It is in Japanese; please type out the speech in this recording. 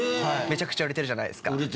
めちゃくちゃ売れてるじゃないですか。